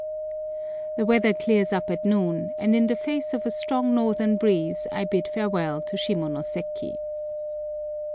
The weather clears up at noon, and in the face of a strong northern breeze I bid farewell to Shimonoseki.